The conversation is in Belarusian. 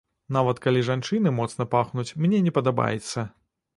Нават калі жанчыны моцна пахнуць, мне не падабаецца.